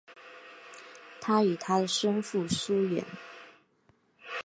他与他的生父疏远。